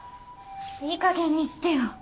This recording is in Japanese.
いいかげんにしてよ。